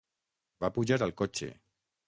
Va pujar al cotxe.